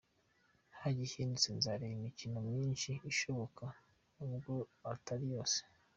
Nta gihindutse nzareba imikino myinshi ishoboka n’ubwo atari yose.